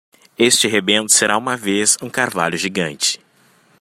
Este rebento será uma vez um carvalho gigante.